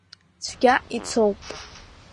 Цәгьа ицоуп.